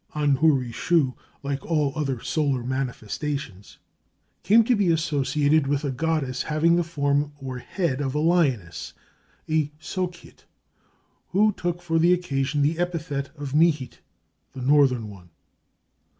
Anhuri shu, like all other solar manifestations, came to be associated with a goddess having the form or head of a lioness a Sokhit, who took for the occasion the epithet of Mihit, the northern one.